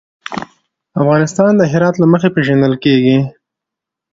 افغانستان د هرات له مخې پېژندل کېږي.